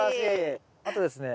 あとですね